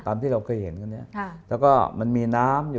ตามที่เราเคยเห็นตอนเนี้ย